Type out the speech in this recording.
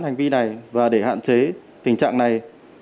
hành vi này và để hạn chế tình trạng này